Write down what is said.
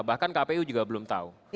bahkan kpu juga belum tahu